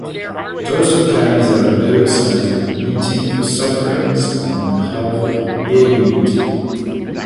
It also carries out oversight of Meeting for Sufferings on behalf of Yearly Meeting.